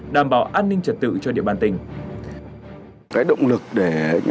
đảm bảo an ninh trật tự cho địa bàn tỉnh